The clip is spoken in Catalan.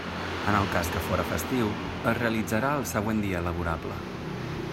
En el cas que fóra festiu es realitzarà el següent dia laborable.